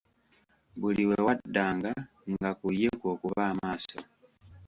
Buli wewaddanga nga ku ye kw'okuba amaaso.